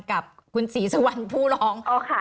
กับคุณศรีสุวรรณผู้ร้อง